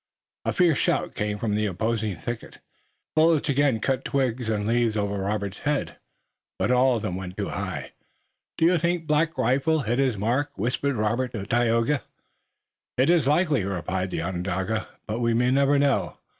A fierce shout came from the opposing thicket, and a half dozen shots were fired. Bullets again cut twigs and leaves over Robert's head, but all of them went too high. "Do you think Black Rifle hit his mark?" whispered Robert to Tayoga. "It is likely," replied the Onondaga, "but we may never know.